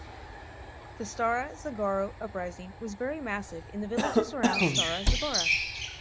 The Stara Zagora Uprising was very massive in the villages around Stara Zagora.